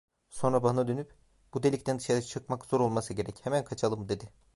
Sonra bana dönüp: 'Bu delikten dışarı çıkmak zor olmasa gerek, hemen kaçalım!' dedi.